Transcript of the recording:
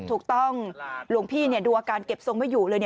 หลวงพี่ดูอาการเก็บทรงไม่อยู่เลย